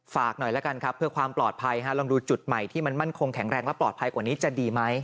ฝากหน่อยแล้วกันครับเพื่อความปลอดภัยลองดูจุดใหม่ที่มันมั่นคงแข็งแรงและปลอดภัยกว่านี้จะดีไหม